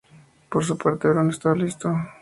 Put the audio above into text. Por su parte, Brown estaba listo.